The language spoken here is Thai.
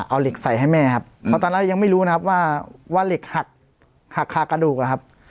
เอาเหล็กใส่ให้แม่ครับเพราะตอนแรกยังไม่รู้นะครับว่าเหล็กหักหักคากระดูกอะครับ